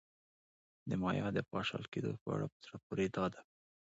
د مایا د پاشل کېدو په اړه په زړه پورې دا ده